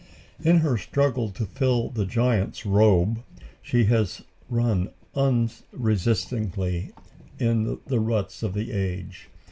In her struggle to fill the giant's robe, she has run unresistingly in the ruts of the age.